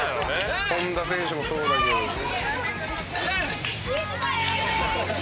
本田選手もそうだけどね。